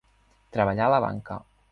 Treballà a la banca.